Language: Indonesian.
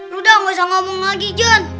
lu dah gak usah ngomong lagi john